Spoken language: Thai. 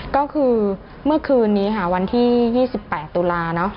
ก็คือเมื่อคืนนี้ค่ะวันที่๒๘ตุลาเนอะ